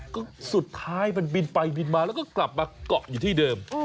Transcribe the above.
ก็สุดท้ายมันบินไปบินมาแล้วก็กลับมาเกาะอยู่ที่เดิม